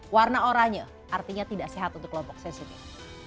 warna oranye artinya tidak sehat untuk kelompok sensitif